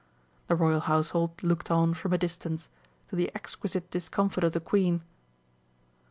The Royal Household looked on from a distance to the exquisite discomfort of the Queen.